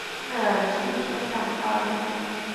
缩头鱼虱似乎不会对鱼的身体造成其他伤害。